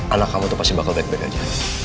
anak kamu tuh pasti bakal baik baik aja